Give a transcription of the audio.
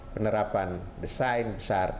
penerapan desain besar